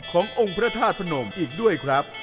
ขององค์พระธาตุพนมอีกด้วยครับ